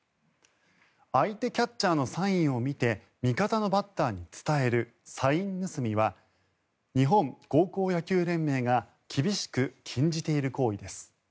相手キャッチャーのサインを見て味方のバッターに伝えるサイン盗みは日本高校野球連盟が厳しく禁じている行為です。